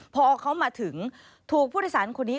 พอเขามาถึงถูกผู้โดยสารคนนี้